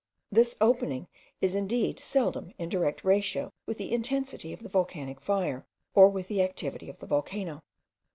This opening is indeed seldom in direct ratio with the intensity of the volcanic fire, or with the activity of the volcano.